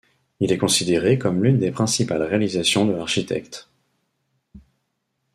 Il est considéré comme l'une des principales réalisations de l'architecte.